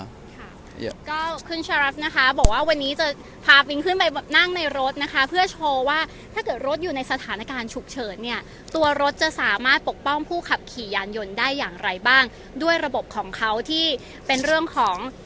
ก็คุณชะรัฐนะคะบอกว่าวันนี้จะพาปิงขึ้นไปนั่งในรถนะคะเพื่อโชว์ว่าถ้าเกิดรถอยู่ในสถานการณ์ฉุกเฉินเนี่ยตัวรถจะสามารถปกป้องผู้ขับขี่ยานยนต์ได้อย่างไรบ้างด้วยระบบของเขาที่เป็นเรื่องของ